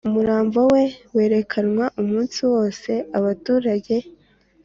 Umurambo we werekwana umunsi wose abaturage